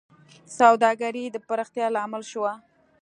سوداګرۍ د پراختیا لامل شوه.